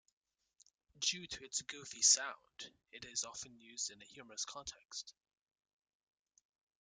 Due to its "goofy" sound, it is often used in a humorous context.